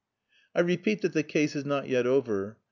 I repeat that the case is not yet over.